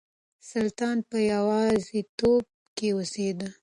سلطان په يوازيتوب کې اوسېده.